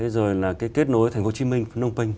rồi kết nối thành phố hồ chí minh nông bình